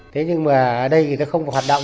thế nhưng mà ở đây người ta không có hoạt động